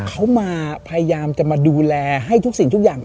เขามาพยายามจะมาดูแลให้ทุกสิ่งทุกอย่าง